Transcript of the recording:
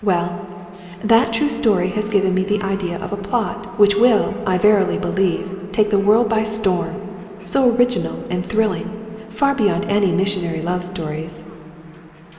Well that true story has given me the idea of a plot, which will, I verily believe, take the world by storm! So original and thrilling! Far beyond any missionary love stories."